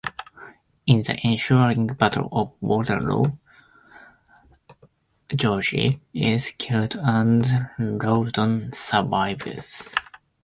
In the ensuing Battle of Waterloo, George is killed and Rawdon survives.